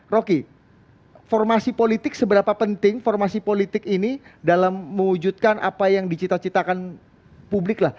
roki formasi politik seberapa penting dalam mewujudkan apa yang dicita citakan publik